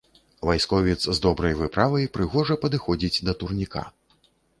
Вайсковец з добрай выправай прыгожа падыходзіць да турніка.